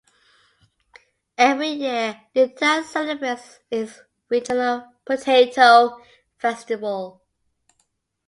Every year the town celebrates its Regional Potato Festival.